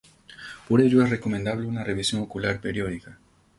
Por ello es recomendable una revisión ocular periódica.